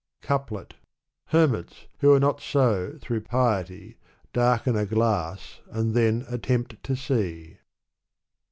CoupUt Hermits, who are not so through piety. Darken a glass and then attempt to see.